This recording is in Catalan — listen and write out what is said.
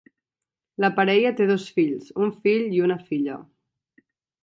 La parella té dos fills: un fill i una filla.